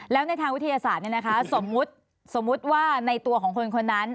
แล้วในทางวิทยาศาสตร์สมมุติว่าในตัวของคนคนนั้น